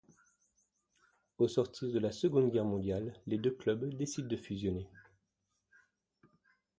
Au sortir de la seconde guerre mondiale, les deux clubs décident de fusionner.